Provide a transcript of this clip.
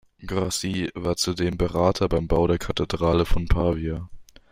Grassi war zudem Berater beim Bau der Kathedrale von Pavia.